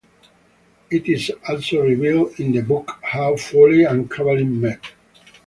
It is also revealed in the book how Foaly and Cabaline met.